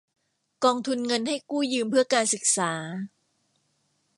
กองทุนเงินให้กู้ยืมเพื่อการศึกษา